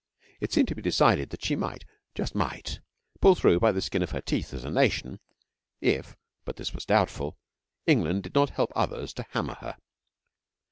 It seemed to be decided that she might just might pull through by the skin of her teeth as a nation if (but this was doubtful) England did not help others to hammer her.